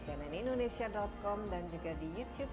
cnnindonesia com dan juga di youtube